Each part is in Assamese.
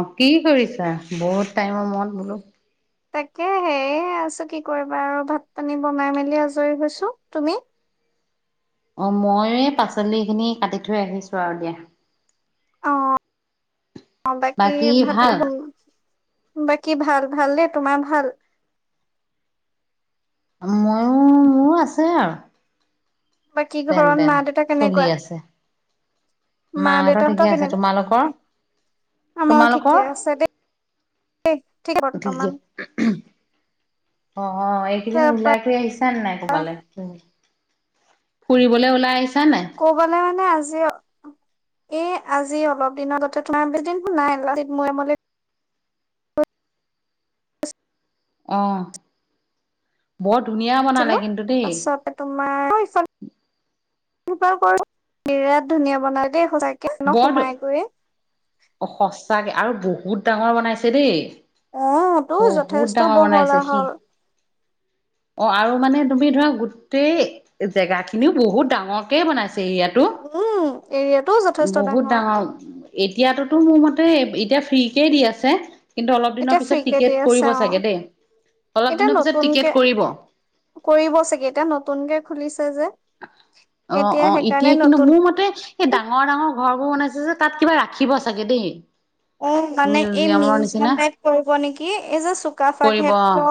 অ', কি কৰিছা? বহুত টাইমৰ মূৰত বোলো? তাকে সেই আছোঁ। কি কৰিবা আৰু ভাত-পানী বনাই মেলি আজৰি হৈছোঁ। তুমি? অ', মই এই পাচলিখিনি কাটি থৈ আহিছোঁ আৰু দিয়া। অ অ', বাকি বাকী ভাত ভাল [unintelligible] বাকী ভাল, ভাল দেই। তোমাৰ ভাল? মইও, মোৰো আছে আৰু। বাকী যেন ঘৰত তেন মা দেউতা চলি কেনেকুৱা ল? আছে মা মাহঁতৰ ঠিকে দেউতাহঁতৰ আছে কেনেকুৱা? তোমালোকৰ আমাৰো তোমালোকৰ ঠিকে আছে দেই। ঠিক [unintelligible] বৰ্তমান অ', অ', এইকেইদিন তাৰপা ওলাই কৰি আহিছা নাই ক'ৰবালৈ? ফুৰিবলৈ ওলাই আহিছ ক'বালে মানে আজ এ আজি অলপ দিনৰ আগতে তোমাৰ বেছি দিন হোৱা নাই লাচিত মৈদামলে অ' বৰ ধুনীয়া বনালে ছিলো কিন্তু দেই পাছতে তোমাৰ কৰো [unintelligible] বিৰাট ধুনীয়া বনালে দেই সঁচাকে। ন বৰ সোমাই গৈ ধু সঁচাকে আৰু বহুত ডাঙৰ বনাইছে দেই। অ' টো বহুত যথেষ্ট ডাঙৰ বনাইছে বহল-আহল। সি অ' আৰু মানে তুমি ধৰা গোটেই জেগা খিনিও বহুত ডাঙৰকে বনাইছে। এৰিয়াটো। উম, এৰিয়াটোও যথেষ্ট বহুত ডাঙৰ এতিয়াটো মোৰ মতে এতিয়া ফ্ৰী কেই দি আছে। কিন্তু অলপ দিনৰ এতিয়া ফ্ৰী পিছত কে টিকেট দি কৰিব আছে চাগে দেই অলপ অ' এতিয়া দিনৰ পিছত নতুন টিকেট কে কৰিব কৰিব চাগে এতিয়া নতুনকে খুলিছে যে। অ' অ' এতিয়া সেইকাৰণে কিন্তু নতুন মোৰ মতে এই ডাঙৰ ডাঙৰ ঘৰবোৰ বনাইছে যে তাত কিবা ৰাখিব চাগে দেই। অ' মানে এই মিউজিয়ামৰ নিচিনা মিউজিয়াম টাইপ কৰিব নেকি এই যে চুকাফা কৰিব অ ক্ষেত্ৰ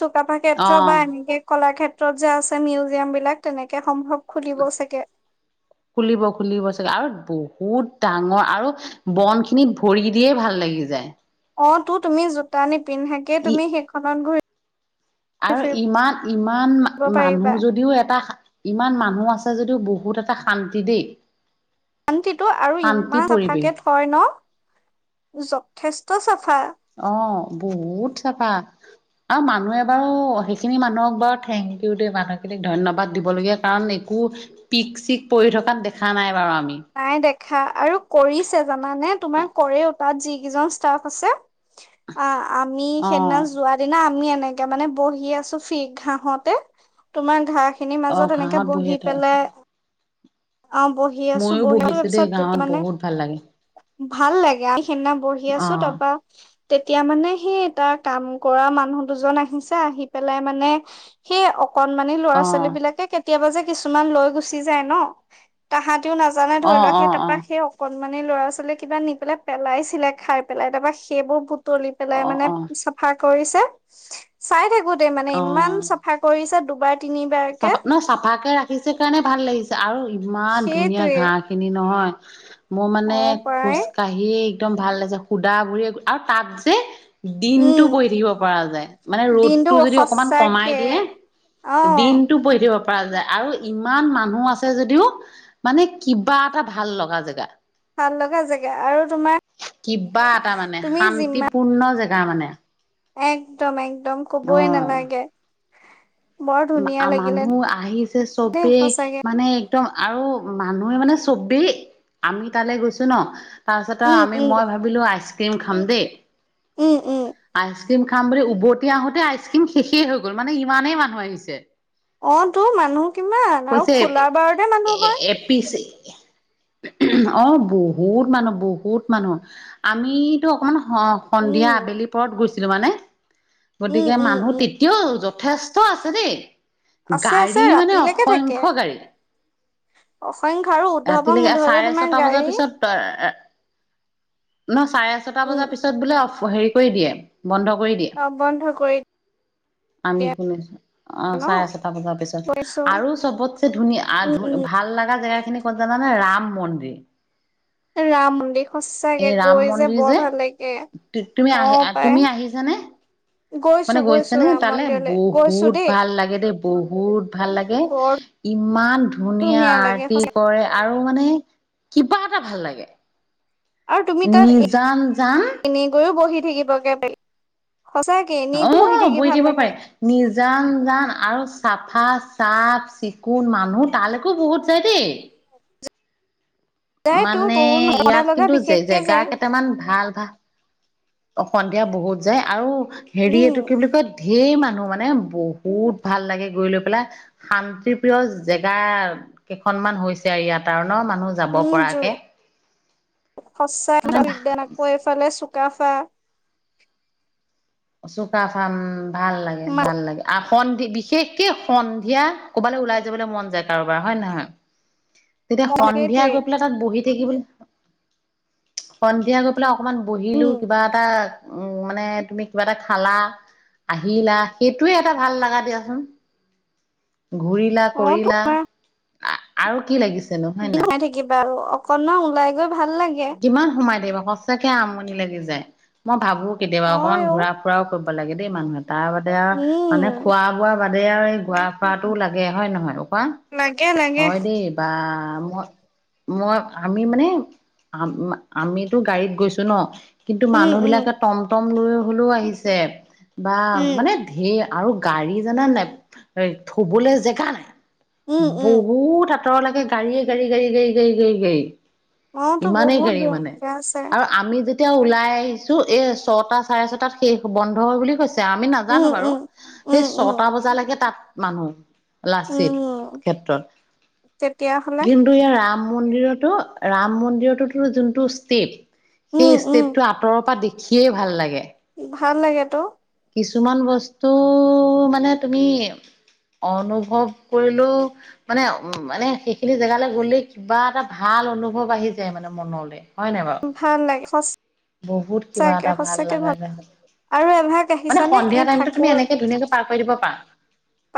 চুকাফা অ ক্ষেত্ৰ বা এনেকে কলা ক্ষেত্ৰ ক্ষেত্ৰত যে আছে মিউজিয়াম বিলাক তেনেকে সম্ভৱ খুলিব চাগে। খুলিব খুলিব চাগে আৰু বহুত ডাঙৰ আৰু বন খিনিত ভৰি দিয়ে ভাল লাগি যায়। অ' তো তুমি জোতা নি পিন্ধাকে ই তুমি সেইখনত ঘূৰি আৰু ফুৰিব ইমান ইমান পাৰিবা। মানুহ যদিও এটা ইমান মানুহ আছে যদিও বহুত এটা শান্তি দেই। শান্তিটো আৰু শান্তি ইমান পৰিৱেশ চাফাকে থয় ন। যথেষ্ট ত চাফা। অ বহুত চাফা আৰু মানুহে বাৰু সেইখিনি মানুহক বাৰু থেংক ইউ দে মানুহখিনিক ধন্যবাদ দিবলগীয়া কাৰণ একো পিক-চিক পৰি থকাত দেখা নাই বাৰু আ নাই দেখ খা আৰু কৰিছে জানা নে তোমাক কৰেও তাত যি যিজন ষ্টাফ আছে অ' আমি অ সেইদিনা যোৱা দিনা আমি এনেকে মানে বহি আছো ফি ঘাঁহতে তোমাৰ ঘাঁ খিনিৰ অ মাজত এনেকে ঘাঁহত বহি থ পেলাই অ' বহি আছো ময়ো বহি বহিছো দেই পিছত ঘাঁহত মানে বহুত ভাল লাগে ভাল লাগে তাৰপৰা তেতিয়া মানে সেইদিনা বহি অ আছো তাৰপৰা তেতিয়া মানে সেই এটা কাম কৰা মানুহ দুজন আহিছে আহি পেলাই মানে সেই অকনমানি অ ল'ৰা-ছোৱালী বিলাকে কেতিয়াবা যে কিছুমান লৈ গুচি যায় ন' তাহাঁতিও নাজ নাজানে অ ধৰি লওঁক অ সেই অ তাৰপা সেই অক মানে ল'ৰা-ছোৱালীয়ে কিবা নি পেলাই পেলাইছিলে খাই পেলাই তাৰপা সেইবোৰ বুট তল পেলাই অ মানে চাফা কৰিছে চাই থাক গোতেই মানে অ ইমান অ চফা কৰিছে। ডুবাইত চাফা ন চাফাকে ৰাখিছে কাৰণে ভাল লাগিছে আৰু ইমান ধুনীয়া সেইটোৱে ঘাঁহখিনি নহয়। হয়। মই অ মানে পৰাই খোজ কাঢ়ি একদম ভাল লাগছে সুদা গুৰি আৰু তাত যে দিনতটো উম বহি থাকিব পৰা যায় মানে দিনটো ৰ'দটো যদি অকমান সঁচাকে কমাই দিয়ে। অ টো পঢ়ি দিব পৰা যায় আৰু ইমান মানুহ আছে যদিও মানে কিবা এটা ভাল লগা জেগা ভাল লগা জেগা আৰু তোমাৰ কিবা তুমি যিমান গা মানে। একদম, একদম। একদম ক'বই অ'। নালাগে। বৰ ধুনীয়া লাগিলে মানুহ আহিছে দেই চবেই সঁচাকে। মানে একদম আৰু মানুহে মানে চবেই আমি তালৈ গৈছো ন তাৰপিছতে উম আমি উম মই ভাবিলো আইচ ক্ৰীম খাম দেই। উম উম আহছ আ ক্ৰীমাম বুলি উভতি আহোতে আইচক্ৰীম শেষ হৈ গ'ল মানে ইমানেই মানুহ আহিছে ছে অ' তোৰ মানুহ কিমান আৰু খোলা বাৰতে মানুহ এ হয়। এপিচ অ' বহুত মানুহ বহুত মানুহ আমিতো অকমান অ' সন্ধিয়া উম আবেলি পৰত গৈছে। [unintelligible] উম গতিকে উম মানুহ উম তেতিয়াও স্থ আছে দে। আছে আছে গাড়ী মানে ৰাতিলৈকে থাকে। অসংখ্য্ গাড়ী। অসংখ্য আৰু উদ্ধৱ ৰাতিলৈকে মুধলে চাৰে তোমাৰ ছটা বজাৰ গাড়ী পিছত ন। চাৰে ছটা উম বজাৰ পিছত বোলে হেৰি কৰি দিয়ে। বন্ধ কৰি দিয়ে, অ বন্ধ কৰি আমি দিয়ে শুনিছো। অ' ন চাৰে ছটা বজাৰ পিছত গৈছো আৰু চবতছেে ধুনীয়া উম উম ধ ভাল লগা। জেগা খিনি ক'ত জানানে ৰাম মন্দিৰ। ৰাম মন্দিৰ সঁচাকে এই ৰাম গৈ যে মন্দিৰ বৰ ভাল লাগে। তুমি আহি অ' পাই তুমি আহিছানে মানে গৈছো গৈছো গৈছানে ৰাম তালৈ মন্দিৰলৈ গৈছো বহুত দেই। ভাল লাগে দেই বহুত ভাল লাগে। বৰ ইমান ধুনীয়া লাগে আৰটি সঁচা কৰে আৰু আৰু মানে কিবা এটা ভাল লাগে। আৰু তুমি তাত নিজান জান। থাকিব কে ব অ' বহি থাকিব পাৰে, নিজান জান আৰু চাফা চাফ চিফ কোন মানুহ তালৈকো বহুত [unintelligible] যায়তো মানে বহুত মজা ইয়াত লগা কিন্তু বিশেষকে জেগা যায়। কেইটামান ভাল। বা। সন্ধিয়া বহুত যায় আৰু হেৰি উম এইটো কি বুলি কয়। সেই মানুহ মানে বহুত ভাল লাগে গৈ লৈ পেলাই, শান্তি প্ৰিয় জেগা কেইখনমান হৈছে আৰু ইয়াত আৰু মানুহ যাব উম জ পৰাকে। সঁচা মানে [unintelligible] আকৌ এইফালে চ কাফা চুকাফাম। ভাল লাগে, ভাল লাগে আ। সন্ধি বিশেষকে সন্ধিয়া কৰবালৈ ওলাই যাবলৈ মন যায় কাৰোবাৰ হয়ে নহয় তেতিয়া সন্ধিয়া সেইটোৱে গৈ পেলাই তাত বহি থাকিবলৈ সন্ধিয়া গৈ পেলাই অকমান বহিলো উম কিবা এটা উম মানে তুমি কিবা এটা খালা আহিলা সেইটোৱে এটা ভাল লগা দিয়াচোন ঘূৰিলা অ কৰিলা তোমাৰ আৰু কি লাগিছে নোহয় ন দিনাই থাকিবা আৰু অকনমান ওলাই গৈ ভাল লাগে কিমান সোমাই দিব সঁচাকে আমনি লাগি যায় মই ভাবো কেতিয়াবা অকণমান হয় অ ঘূৰা ফুৰাও লাগেই মানুহ তাৰ বাতে আৰু মানে উম খোৱা বোৱা বাদে আৰু এই গোৱা ফো লাগে হয় নহয় কোৱা লাগে লাগে হয় দেই বা মই মই আমি মানে আ আমিতো গাড়ীত গৈছো ন কিন্তু উম মানুহ উম বিলাকে টমটম হলেও আহিছে বা উম মানে ধে আৰু গাড়ী জানা নাই থবলৈ জেগা নাই উম উম বহুত আঁতৰ লাগে কাৰ়ে কৰি কৰি কৰি কৰি গৈ গাই [unintelligible] মইতো ইমানেই বহুত গাড়ী দূৰ মানে আছে আৰু আমি যেতি এতিয়া ওলাই আহিছো এ ছটা চাৰে ছটাত শেষ বন্ধ হয় বুলি কৈছে আমি নাজানো উম বাৰু উম সেই উম উম ছটা বজালৈকে তাত মানুহ লাচিত উম, তেতিয়াহ'লে ক্ষেত্ৰত কিন্তু ইয়াৰ ৰাম মন্দিৰতো ৰাম মন্দিৰত যোনটো ষ্টেপ সেই উম, উম, ষ্টেপটো আঁতৰৰ পৰা দেি খিয়েই ভাল লাগে ভাল লাগে ত কিছুমান বস্তু মানে তুমি অনুভৱ কৰিলেও মানে উ মানে সেইখিনি জেগালৈ গ'লে কিবা এটা ভাল অনুভৱ আহি যায় মানে মনলে ভাল লাগে স বহুত কিবা সঁচাকে এটা সঁচাকে লগা ভাল মানে আৰু এভাগ আহিছানে সন্ধিয়া এই টাইমতো তুমি ঠাকুৰ এনেকে ধুনীয়াকে পাৰ কৰি দিব পাৰা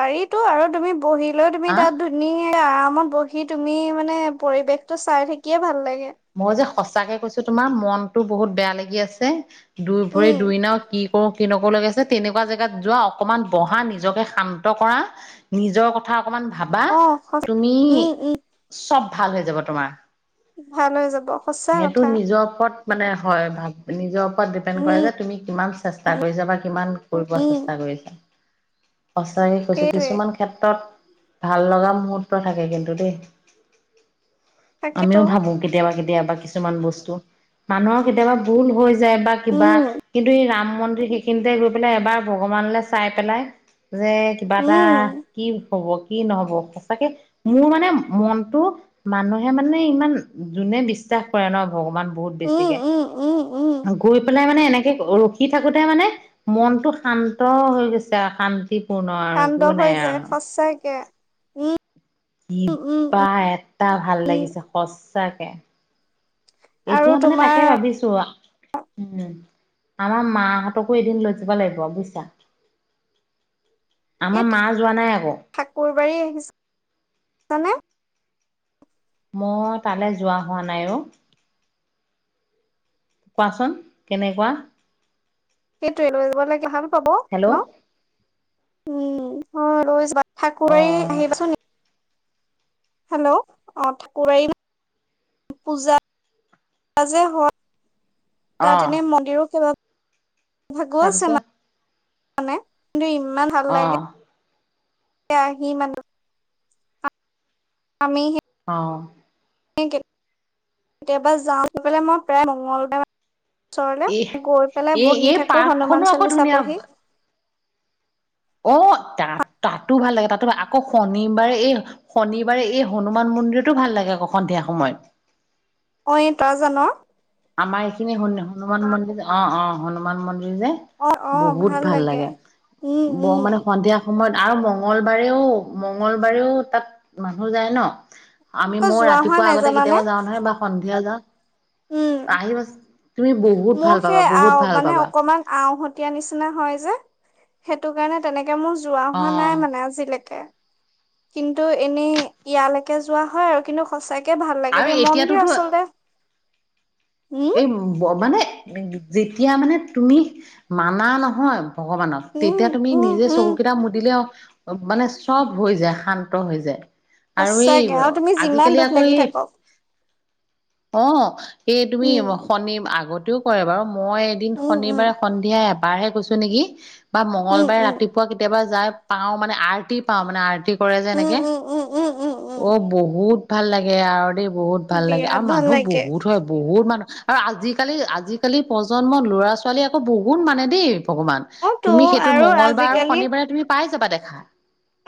পাৰিতো আৰু তুমি বহিলৈও তুমি হা তাত ধুনীয়া আৰামত বহি সি তুমি মানে পৰিৱেশ টো চাই থাকিয়ে ভাল লাগে। মজা সঁচাকে কৈছো তোমাৰ মনটো বহুত বেয়া লাগি আছে। দুই উম, ভৰি দুই নাও কি কিনকো লগে আছে তেনেকুৱা জেগাত যোৱা অকমান বহা নিজকে শান্ত কৰা নিজৰ কথা অকমান ভাবা অ', সঁচ তুমি উম, উম, চব ভাল হৈ যাব তোমাৰ ভাল হৈ যাব সঁচা সেইটো কথা। নিজৰ ওপৰত মানে হয় ভ নিজৰ দিপেন কৰে উম, যে তুমি কি চেষ্টা কৰি যাবা কিমান কৰিব উম, চেষ্টা কৰিছা। সঁচাকে কৈছো সেইটোৱে কিছুমান ক্ষেত্ৰত ভাল লগা মুহূৰ্ত থাকে কিন্তু দেই। তাকেতো আমিও ভাবো কেতিয়াবা কেতিয়াবা কিছুমান বস্তু মানুহৰ কেতিয়াবা ভুল হৈ যায় বা কিবা উম, কিন্তু এই ৰাম মন্দিৰ সেইখিনিতে গৈ পেলাই এবাৰ ভগৱানলৈ চাই পেলাই যে কিবা এটা উম, কি হব কি নহব সঁচাকে মোৰ মানে মনটো মানুহে মানে ইমান যোনে বিশ্বাস কৰে ন ভগবান বহুত উম, বেছিকে উম, উম, উম, গৈ পেলাই মানে মানে এনেকে ৰখি থাকোতে মানে মনটো শান্ত হৈ গৈছে আৰু শান কান্দ হৈ যায় সঁচাকে। উম উম, উম, কিবা এটা ভাল উম। লাগিছে সচ তাকে আৰু এতিয়া মানে তোমাৰ তাকে ভাবিছো উম আমাৰ মাহঁতকো এদিন লৈ যাব লাগিব বুজিছা। আমাৰ মা যোৱা নাই আকৌ। ৰী আহিছছানে? মই তালৈ যোৱা হোৱা নাই ঐ কোৱাচোন কেনেকুৱা সেইটোৱে লৈ যাব লাগে ভাল পাব হেল্ল' ন উম অ ৰজ অ ঠাকাৰী আহিবাচোন নেকি হেল্ল' অ ঠাকুৱাৰী পূজা যে হয় অ তাত এনে মন্দিৰো কিবা ভগৱছেে তাৰপিছত মান মাননে কিন্তু ইমান ভাল অ লাগে য়া আহি মান আমি অ কেতিয়াবা যাওঁলে মই প্ৰায় মঙল ওচৰলে এই গৈ পেলাই এই বহি এই থাকো পাৰ্কখনো হনুমান আকৌ চালিচা ধুনীয়া বহি অ তাত তাতো ভাল লাগে তাতো আকৌ শনিবাৰে এই শনিবাৰে এই হনুমান মন্দিৰতো ভাল লাগে আকৌ সন্ধিয়া সময়ত অই তা জানা আমাৰ এইখিনি হ হনুমান মন্দিৰ অ অ হনুমান মন্দিৰ যে অ অ ভাল লাগে উম ব উম মানে সন্ধিয়া সময়ত আৰু মংগলবাৰেও মঙ্লবাৰেও তাত মানুহ যায় ন আমি আকৌ মই যোৱা হোৱা ৰাতিপুৱা নাই আগতে জানানে কেতিয়াবা যাওঁ নহয় বা সন্ধিয়া যাওঁ উম আহি মছ মোৰ সেই আ মানে অকমান আউহতীয়া নিচিনা হয় যে সেইটো কাৰণে তেনেকে ে মোৰ যোৱা অ হোৱা নাই মানে আজিলৈকে কিন্তু এনেই ইয়ালৈকে যোৱা হয় আৰু কিন্তু সচাকে তে ভাল লাগে আৰু দেই মন্দিৰ এতিয়াতোতো আচলতে উম এই মানে উ যেতিয়া মানে তুমি মানা নহয় ভগৱানত উম তেতিয়া তুমি উম নিজে উম চকুকেইটা মুদিলে মানে চব হৈ যায় শান্ত হৈ যায়। আৰু এই সঁচাকে আৰু তুমি যিমান আজিকালি দুখ আকৌ লাগি এই থাকক অ এই তুমি উম শনিৰ আগতেও কৰে বাৰু মই এদিন উম উম শনিবাৰে সন্ধিয়া পাৰহে কৈছো নেকি বা উম মঙ্লবাৰে ৰাতিপুৱা কেতিয়াবা যায় পাওঁ মানে আৰ টি পাওঁ মানে আৰটি কৰে যে উম এনেকে উম উম উম উম উম অ উম বহুত ভাল লাগে আৰু দেই। বহুত ভাল লাগে বিৰাট আৰু ভাল মানুহ লাগে বহুত হয়। বহুত মানুহ আৰু আজিকালি আজিকালি প্ৰজন্মৰ ল'ৰা ছোৱালী আকৌ বহুত মানে দেই ভগৱান অ তো তুমি সেইটো আৰু মংগলবাৰ আৰু আজিকালি শনিবাৰে তুমি পাইযাবা কৰবাত দেখা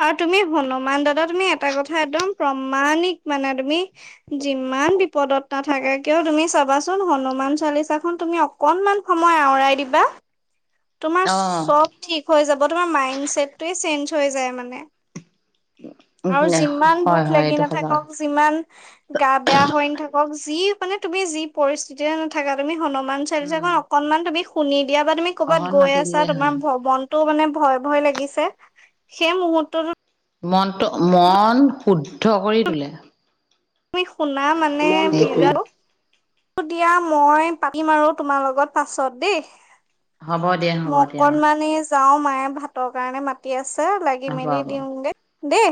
আৰু তুমি হনুমান দাদা তুমি এটা কথা একদম প্ৰমাণিক মানে তুমি যিমান বিপদত নাথাকে কিয় তুমি চাবাচোন হনুমান চালিচাখন তুমি অকনমান সময় আঁওৰাই দিবা তোমাৰ উম চব ঠিক হৈ যাব তোমাৰ মাইণ্ড ছেট টোয়ে চেঞ্জ হৈ যায় মানে নে আৰু যিমান হয় দুখ হয় লাগি এইটো সঁচা নাথাকক কথা। যিমান গা বেয়া হৈ নাথাকক যি মানে তুমি যি পৰিস্থিতিয়ে নাথাকা তুমি হনুমান হনুমান উম চালিছাখন অকনমান তুমি শুনি কেতিয়াবা তুমি কৰ'বাত অকণ গৈ মাতি আছা দিলেই হ'ল তোমাৰ মনতো মানে ভয় ভয় লাগে। নিছে সেই মুহ্ত ত মনটো মন শুদ্ধ কৰি তোলে তুমি শুন তাৰ মানে সেইটোৱে ভিজালো দিয়া মই পাতিম আৰু তোমাৰ লগত পাছত দেই। হ'ব দিয়া হ'ব মই দিয়া অঁঃ অকনমানি যাওঁ মায়ে ভাতৰ কাৰণে মাতি আছে। এ লাগি হ'ব মেলি হ'ব দিওঁগে। দেই।